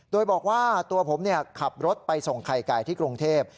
โดยบอกว่าตัวผมขับรถไปส่งไข่ไก่ที่กรุงเทพ